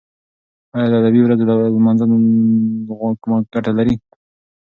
ایا د ادبي ورځو لمانځل کومه ګټه لري؟